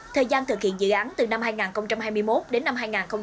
thời gian thực hiện dự án từ năm hai nghìn hai mươi một đến năm hai nghìn hai mươi ba